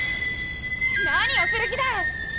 何をする気だ！